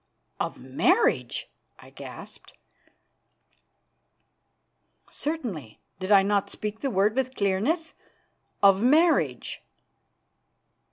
"Of marriage!" I gasped. "Certainly did I not speak the word with clearness? of marriage."